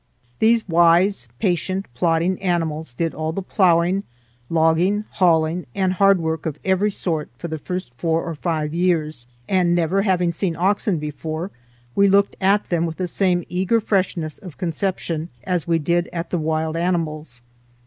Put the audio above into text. These wise, patient, plodding animals did all the ploughing, logging, hauling, and hard work of every sort for the first four or five years, and, never having seen oxen before, we looked at them with the same eager freshness of conception as we did at the wild animals.